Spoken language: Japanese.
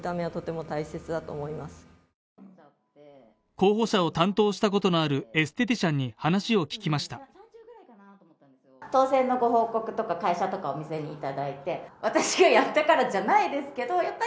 候補者を担当したことのあるエステティシャンに話を聞きました。